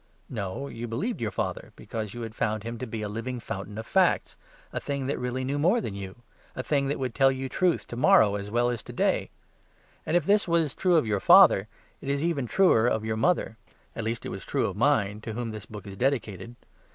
No: you believed your father, because you had found him to be a living fountain of facts, a thing that really knew more than you; a thing that would tell you truth to morrow, as well as to day. And if this was true of your father, it was even truer of your mother; at least it was true of mine, to whom this book is dedicated.